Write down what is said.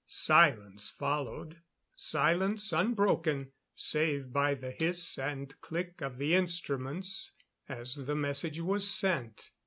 Silence followed silence unbroken save by the hiss and click of the instruments as the message was sent.